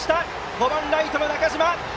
５番、ライトの中島。